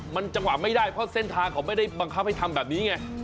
มันจังหวะไม่ได้เพราะเส้นทางเขาไม่ได้บังคับให้ทำแบบนี้ไง